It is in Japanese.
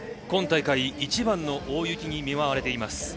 今大会一番の大雪に見舞われています